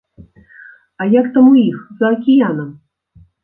А як там у іх, за акіянам?